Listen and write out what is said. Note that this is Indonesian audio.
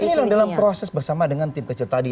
ini dalam proses bersama dengan tim kecil tadi